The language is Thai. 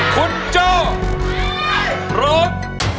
คุณโจรถ